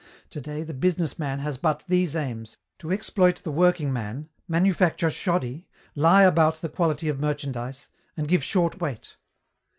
Today the business man has but these aims, to exploit the working man, manufacture shoddy, lie about the quality of merchandise, and give short weight.